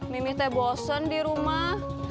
mimi teh bosen di rumah